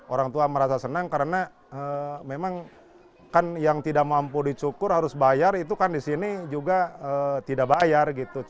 orang tua merasa senang karena memang kan yang tidak mampu dicukur harus bayar itu kan di sini juga tidak bayar gitu